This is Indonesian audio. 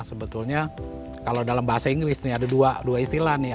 sebetulnya kalau dalam bahasa inggris nih ada dua istilah nih